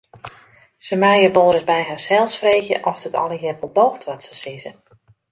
Se meie wolris by harsels freegje oft it allegearre wol doocht wat se sizze.